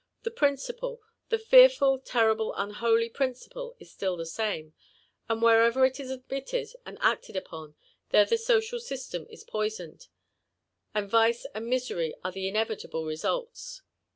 The principle<^ 4he fearful, terrible, unholy principle is still the same ; and wherever it is admitted and aeted upon, there the social system is poisoned, and vice and misery are the inevitable results.